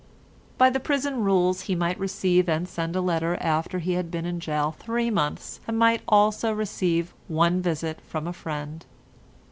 By the prison rules he might receive and send a letter after he had been in gaol three months, and might also receive one visit from a friend.